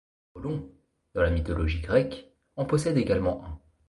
Apollon, dans la mythologie grecque, en possède également un.